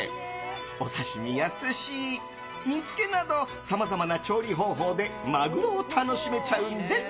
お刺し身や寿司、煮つけなどさまざまな調理方法でマグロを楽しめちゃうんです。